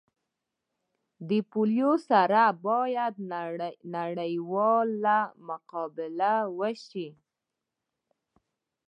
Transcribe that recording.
د پولیو سره باید نړیواله مقابله وسي